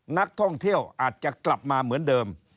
นักท่องเที่ยวอาจจะกลับมาเหมือนเดิม